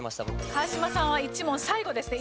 川島さんは１問最後ですね。